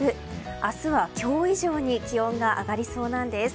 明日は今日以上に気温が上がりそうなんです。